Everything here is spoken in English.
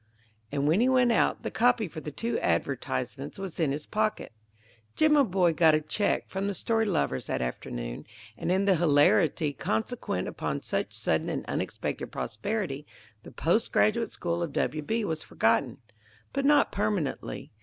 And when he went out, the copy for the two advertisements was in his pocket. Jimaboy got a check from the Storylovers that afternoon, and in the hilarity consequent upon such sudden and unexpected prosperity the Post Graduate School of W. B. was forgotten. But not permanently.